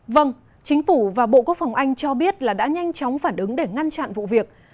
vâng chính phủ và bộ quốc phòng anh cho biết là đã nhanh chóng phản ứng để ngăn chặn vụ việc